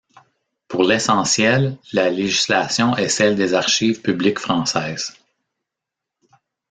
Pour l’essentiel, la législation est celle des archives publiques françaises.